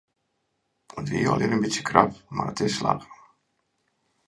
It wie allegear in bytsje krap mar it is slagge.